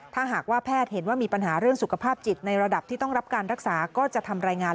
ถ้าหากว่าแพทย์เห็นว่ามีปัญหาเรื่องสุขภาพจิตในระดับที่ต้องรับการรักษาก็จะทำรายงาน